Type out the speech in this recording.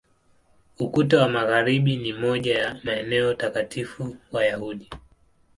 Ukuta wa Magharibi ni moja ya maeneo takatifu Wayahudi.